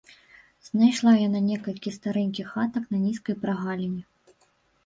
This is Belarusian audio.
Знайшла яна некалькі старэнькіх хатак на нізкай прагаліне.